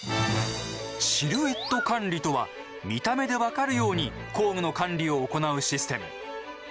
シルエット管理とは見た目で分かるように工具の管理を行うシステム。